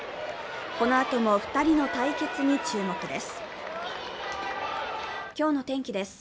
このあとも２人の対決に注目です。